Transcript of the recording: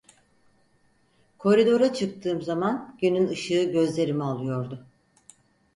Koridora çıktığım zaman, günün ışığı gözlerimi alıyordu.